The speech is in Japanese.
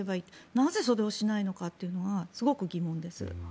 なぜそれをしないのかはすごく疑問です。